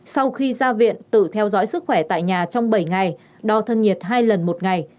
sau khi ra viện tự theo dõi sức khỏe tại nhà trong bảy ngày đo thân nhiệt hai lần một ngày